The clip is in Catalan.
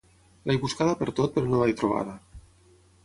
L'he buscada pertot, però no l'he trobada.